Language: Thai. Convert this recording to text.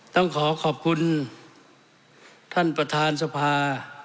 ต้องขอขอบคุณท่านประธานสภา